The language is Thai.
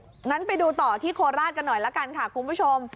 งั้นไปดูต่อที่โคราชกันหน่อยละกันค่ะคุณผู้ชม